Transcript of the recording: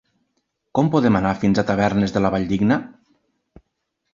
Com podem anar fins a Tavernes de la Valldigna?